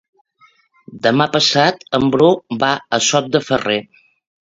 Demà passat en Bru va a Sot de Ferrer.